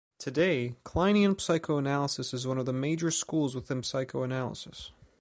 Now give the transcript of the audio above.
Today, Kleinian psychoanalysis is one of the major schools within psychoanalysis.